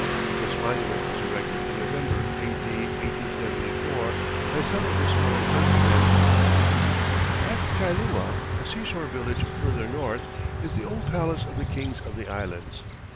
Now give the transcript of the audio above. This monument was erected in November, A. D. 1874, by some of his fellow countrymen." At Kailua, a seashore village further north, is the old palace of the kings of the islands.